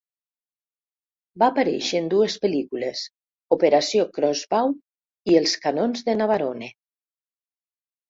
Va aparèixer en dues pel·lícules: "Operació Crossbow" i "Els canons de Navarone".